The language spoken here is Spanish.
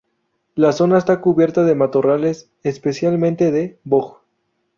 La zona está cubierta de matorrales, especialmente de boj.